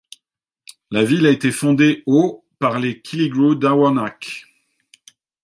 La ville a été fondée au par les Killigrew d'Arwenack.